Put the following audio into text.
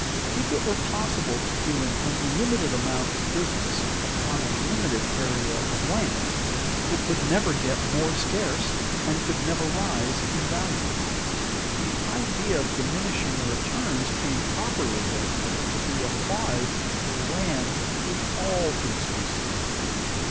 If it were possible to do an unlimited amount of business upon a limited area of land, it would never get more scarce and could never rise in value. The idea of diminishing returns came properly, therefore, to be applied to land in all its uses.